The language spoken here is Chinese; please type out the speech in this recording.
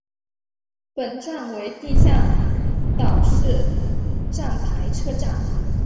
本站为地下岛式站台车站。